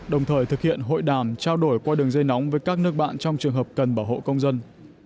đồng thời thực hiện hội đàm trao đổi qua đường dây nóng với các nước bạn trong trường hợp cần bảo hộ công dân